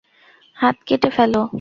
হাত কেটে ফেলো।